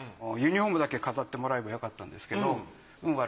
ユニフォームだけ飾ってもらえばよかったんですけど運